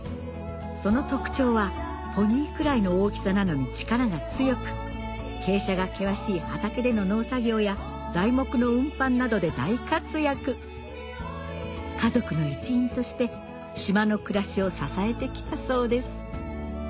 その特徴はポニーくらいの大きさなのに力が強く傾斜が険しい畑での農作業や材木の運搬などで大活躍家族の一員として島の暮らしを支えてきたそうです